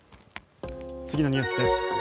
次のニュースです。